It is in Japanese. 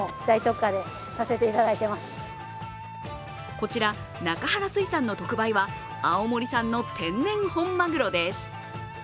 こちら、中原水産の特売は青森産の天然本まぐろです。